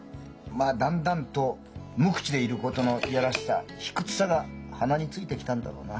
まあだんだんと無口でいることの嫌らしさ卑屈さが鼻についてきたんだろうな。